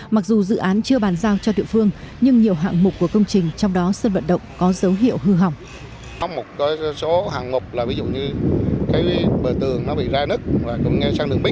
mặc dù dự án chưa bàn giao cho địa phương nhưng nhiều hạng mục của công trình trong đó sân vận động có dấu hiệu hư hỏng